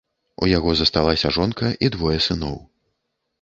У яго засталіся жонка і двое сыноў.